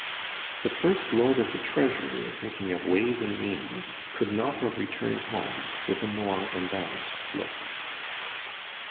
The first Lord of the Treasury thinking of ways and means, could not have returned home with a more embarrassed look.